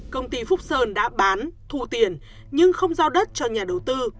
công ty phúc sơn đã bán thu tiền nhưng không giao đất cho nhà đầu tư